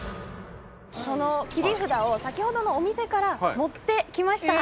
その切り札を先ほどのお店から持ってきました。